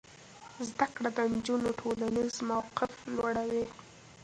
زده کړه د نجونو ټولنیز موقف لوړوي.